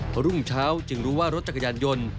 พอรุ่งเช้าจึงรู้ว่ารถจักรยานยนต์